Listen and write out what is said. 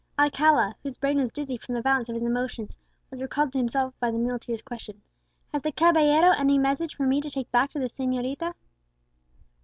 Alcala, whose brain was dizzy from the violence of his emotions, was recalled to himself by the muleteer's question, "Has the caballero any message for me to take back to the señorita?"